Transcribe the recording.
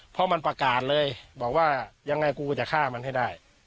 เพราะมันประกาศเลยบอกว่ายังไงกูจะฆ่ามันให้ได้